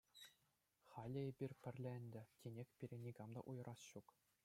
Халӗ эпир пӗрле ӗнтӗ, тинех пире никам та уйӑраяс ҫук.